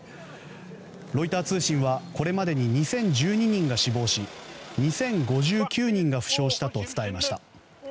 ロイター通信はこれまでに２０１２人が死亡し２０５９人が負傷したと伝えました。